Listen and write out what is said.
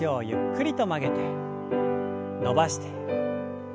伸ばして。